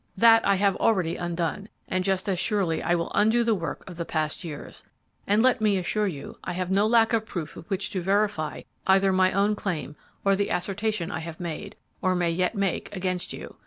That I have already undone, and just as surely I will undo the work of the past years. And let me assure you I have no lack of proof with which to verify either my own claim or any assertion I have made, or may yet make, against you.